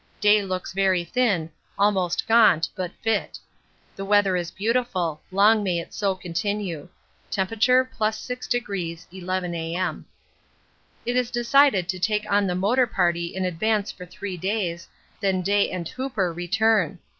Day looks very thin, almost gaunt, but fit. The weather is beautiful long may it so continue. (Temp. +6°, 11 A.M.) It is decided to take on the Motor Party in advance for three days, then Day and Hooper return.